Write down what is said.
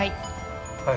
はい。